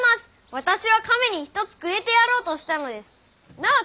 私は亀に１つくれてやろうとしたのです。なあ？